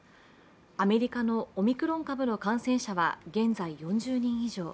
アメリカのオミクロン株の感染者は現在４０人以上。